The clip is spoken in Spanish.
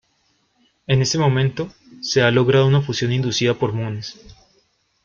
En ese momento se ha logrado una fusión inducida por muones.